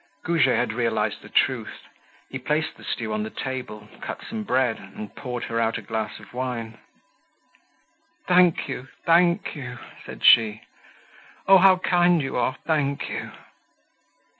Goujet had realized the truth. He placed the stew on the table, cut some bread, and poured her out a glass of wine. "Thank you! Thank you!" said she. "Oh, how kind you are! Thank you!"